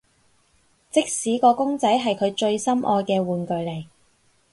即使個公仔係佢最心愛嘅玩具嚟